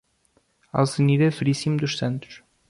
Alzerina Verissimo dos Santos